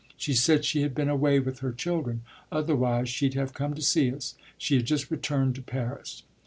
She said she had been away with her children otherwise she'd have come to see us. She had just returned to Paris."